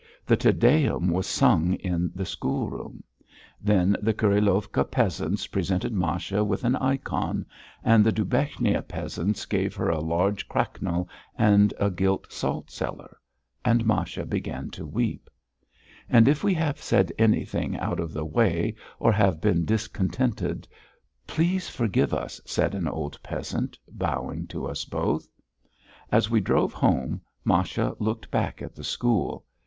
The Te Deum was sung in the schoolroom. Then the Kurilovka peasants presented Masha with an ikon, and the Dubechnia peasants gave her a large cracknel and a gilt salt cellar. And Masha began to weep. "And if we have said anything out of the way or have been discontented, please forgive us," said an old peasant, bowing to us both. As we drove home Masha looked back at the school.